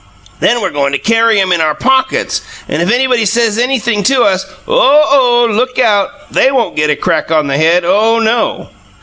Then we're goin' to carry 'em in our pockets, and if anybody says anything to us OH, oh! look out! They won't get a crack on the head OH, no!"